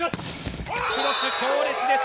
クロス、強烈です。